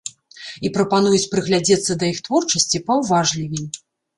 І прапануюць прыглядзецца да іх творчасці паўважлівей.